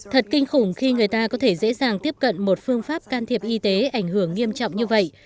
thật kinh khủng khi người ta có thể dễ dàng tiếp cận một phương pháp can thiệp y tế ảnh hưởng đến bệnh nhân